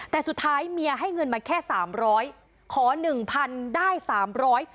แต่สุดท้ายเมียให้เงินมาแค่สามร้อยขอหนึ่งพันได้สามร้อย